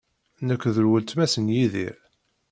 Nekk d weltma-s n Yidir.